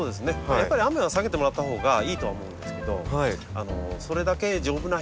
やっぱり雨は避けてもらったほうがいいとは思うんですけどそれだけ丈夫な品種。